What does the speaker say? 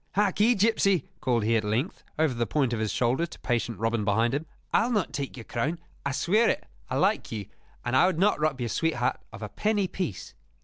"Harkee, gipsy," called he at length, over the point of his shoulder to patient Robin behind him, "I'll not take your crown, I swear it! I like you, and I would not rob your sweetheart of a penny piece.